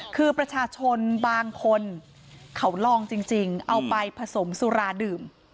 คือประชาชนบางคนเขาลองจริงเอาไปผสมสุราดื่ม